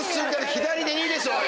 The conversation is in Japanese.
左でいいでしょうよ！